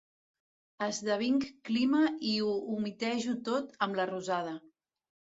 Esdevinc clima i ho humitejo tot amb la rosada.